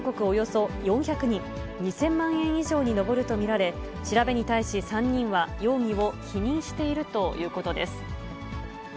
およそ４００人、２０００万円以上に上ると見られ、調べに対し３人は容疑を否認しているということです。